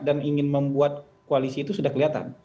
dan ingin membuat koalisi itu sudah kelihatan